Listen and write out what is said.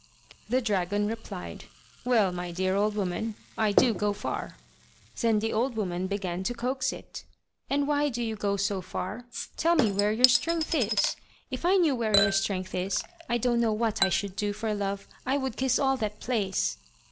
The dragon replied: "Well, my dear old woman, I do go far." Then the old woman began to coax it: "And why do you go so far? Tell me where your strength is. If I knew where your strength is, I don't know what I should do for love; I would kiss all that place."